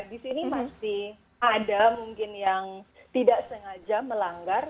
di sini masih ada mungkin yang tidak sengaja melanggar